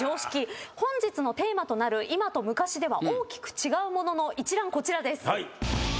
本日のテーマとなる今と昔では大きく違うものの一覧こちらです。